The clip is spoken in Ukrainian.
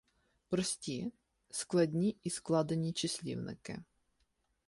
Прості, складні і складені числівники